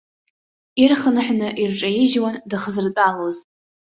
Ирхынҳәны ирҿаижьуан дыхзыртәалоз.